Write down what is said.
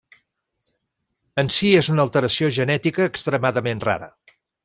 En si és una alteració genètica extremadament rara.